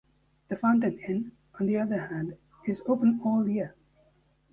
The Fountain Inn, on the other hand, is open all year.